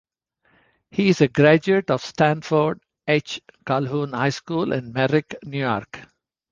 He is a graduate of Sanford H. Calhoun High School in Merrick, New York.